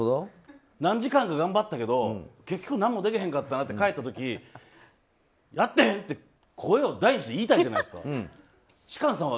何時間か頑張ったけど結局何もできへんかったなって帰った時にやってへんって声を大にして言いたいじゃないですか。